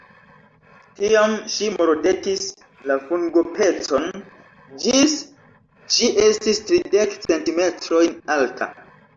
Tiam, ŝi mordetis la fungopecon ĝis ŝi estis tridek centimetrojn alta.